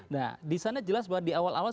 nah disana jelas bahwa di awal awal